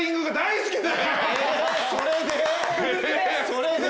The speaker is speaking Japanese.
それで？